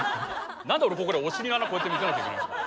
何で俺ここでお尻の穴こうやって見せなきゃいけないんですか。